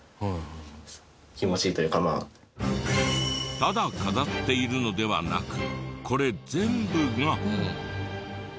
ただ飾っているのではなくこれ全部が。